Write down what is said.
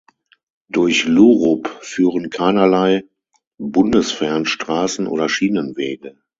Durch Lurup führen keinerlei Bundesfernstraßen oder Schienenwege.